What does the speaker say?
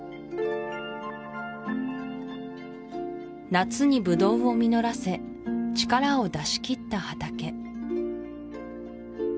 夏にブドウを実らせ力を出しきった畑